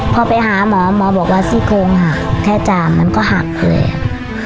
พอไปหาหมอหมอบอกว่าซี่โครงหักแค่จ่ามมันก็หักเลย